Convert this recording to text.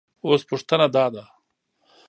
اوس پوښتنه دا ده